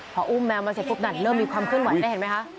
พออุ้มแมวมาเสร็จปุ๊บนั้นเริ่มมีความเคลื่อนไหวได้เห็นไหมคะ